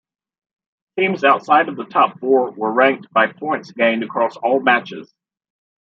Teams outside of the top four were ranked by points gained across all matches.